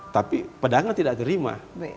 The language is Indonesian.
tapi pedangnya tidak terima